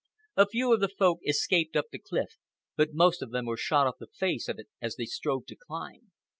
A few of the Folk escaped up the cliff, but most of them were shot off the face of it as they strove to climb.